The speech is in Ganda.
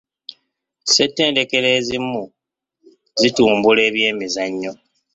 SSettendekero ezimu zitumbula ebyemizanyo.